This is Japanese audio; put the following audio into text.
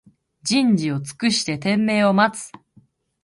人事を尽くして天命を待つ